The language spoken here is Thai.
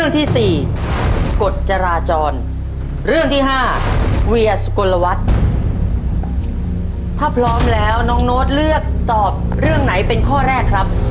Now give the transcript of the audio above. ถ้าพร้อมแล้วน้องโน๊ตเลือกตอบเรื่องไหนเป็นข้อแรกครับ